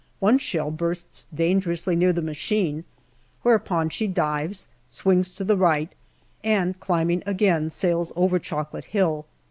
One shell bursts dangerously near the machine, whereupon she dives, swings to the right, and climbing again, sails over Chocolate Hill.